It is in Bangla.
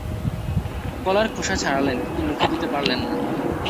কলার খোসা ছাড়ালেন, কিন্তু মুখে দিতে পারলেন না।